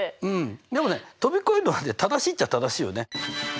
でもね飛び越えるのはね正しいっちゃ正しいよね。